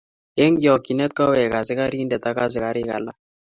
Eng chokchinet kowek askarindet ak asakarik alak